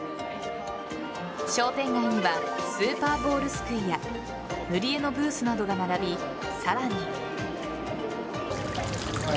商店街にはスーパーボールすくいや塗り絵のブースなどが並びさらに。